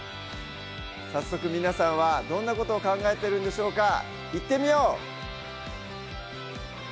早速皆さんはどんなことを考えてるんでしょうか？